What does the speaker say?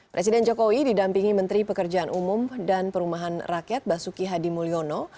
presiden jokowi didampingi menteri pekerjaan umum dan perumahan rakyat basuki hadi mulyono